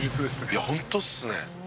「いやホントっすね」